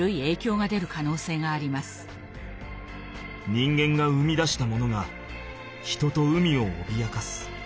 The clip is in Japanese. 人間が生み出したものが人と海をおびやかす。